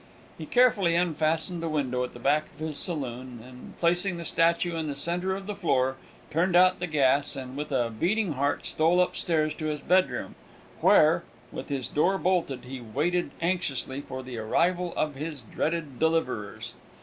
He carefully unfastened the window at the back of his saloon, and, placing the statue in the centre of the floor, turned out the gas, and with a beating heart stole upstairs to his bedroom, where (with his door bolted) he waited anxiously for the arrival of his dreaded deliverers.